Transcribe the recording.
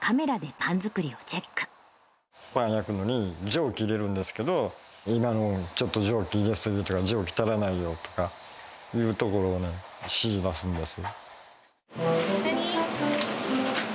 パン焼くのに、蒸気入れるんですけれども、今のちょっと蒸気入れ過ぎとか、蒸気足らないよとか、というところを指示出すんです。